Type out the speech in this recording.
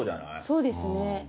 そうですね。